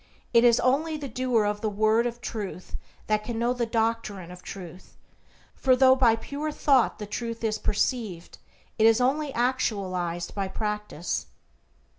It is only the doer of the Word of Truth that can know of the doctrine of Truth, for though by pure thought the Truth is perceived, it is only actualized by practice.